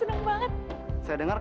tujusin mereka kok